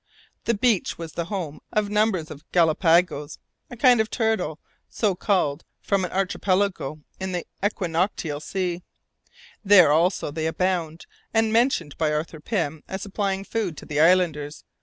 The beach was the home of numbers of galapagos a kind of turtle so called from an archipelago in the equinoctial sea, where also they abound, and mentioned by Arthur Pym as supplying food to the islanders.